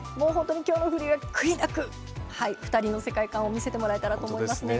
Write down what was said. きょうのフリーは悔いなく２人の世界観を見せてもらえたらと思います。